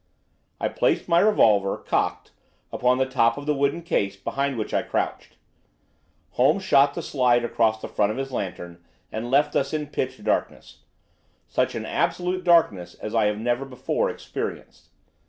I placed my revolver, cocked, upon the top of the wooden case behind which I crouched. Holmes shot the slide across the front of his lantern and left us in pitch darkness—such an absolute darkness as I have never before experienced.